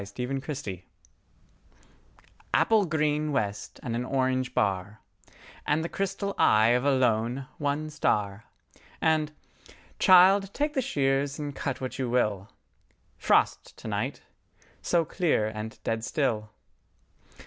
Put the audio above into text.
Thomas "Frost To Night" APPLE GREEN west and an orange bar, And the crystal eye of a lone, one star …And, "Child, take the shears and cut what you will, Frost to night—so clear and dead still."